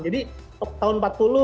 jadi tahun empat puluh